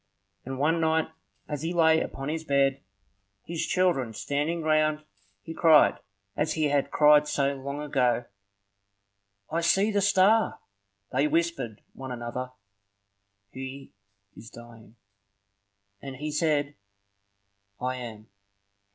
And one night as he lay upon his bed, his children standing round, he cried, as he had cried so long ago,— "I see the star!" They whispered one another, "He is dying." And he said, "I am.